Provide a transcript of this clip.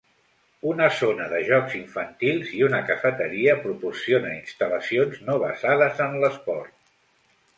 Una zona de jocs infantils i una cafeteria proporcionen instal·lacions no basades en l'esport.